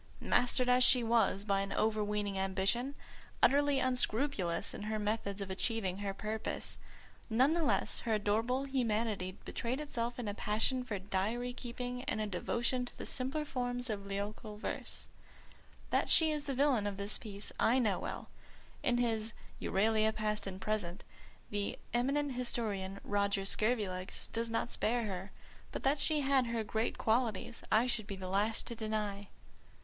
Mastered as she was by overweening ambition, utterly unscrupulous in her methods of achieving her purpose, none the less her adorable humanity betrayed itself in a passion for diary keeping and a devotion to the simpler forms of lyrical verse. That she is the villain of the piece I know well; in his Euralia Past and Present the eminent historian, Roger Scurvilegs, does not spare her; but that she had her great qualities I should be the last to deny.